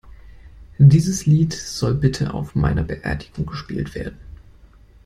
Dieses Lied soll bitte auf meiner Beerdigung gespielt werden.